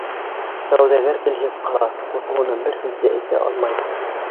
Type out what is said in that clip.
Сауҙагәр телһеҙ ҡала, ҡурҡыуынан бер һүҙ ҙә әйтә алмай.